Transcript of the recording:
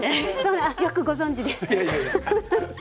よくご存じですね。